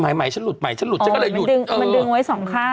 หมายใหม่ฉันหลุดฉันหลุดมันดึงไว้สองข้าง